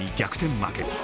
負け。